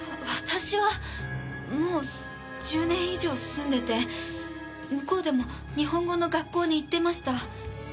私はもう１０年以上住んでて向こうでも日本語の学校に行ってました。